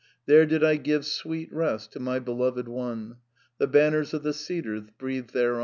There did I give sweet rest To my beloved one; The banners of the cedars breathed thereon!